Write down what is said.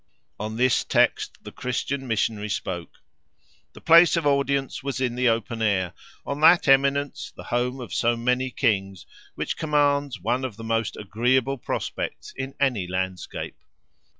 On this text the Christian Missionary spoke. The place of audience was in the open air, on that eminence, the home of so many kings, which commands one of the most agreeable prospects in any landscape.